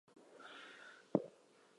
A bowsprit was also optional.